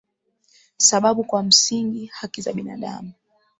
sababu kwa msingi haki za binadamu